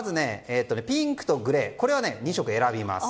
ピンクとグレー、２色選びます。